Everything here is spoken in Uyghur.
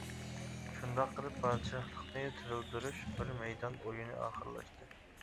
شۇنداق قىلىپ پادىشاھلىقنى تىرىلدۈرۈش بىر مەيدان ئويۇنى ئاخىرلاشتى.